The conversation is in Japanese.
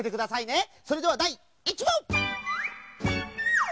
それではだい１もん！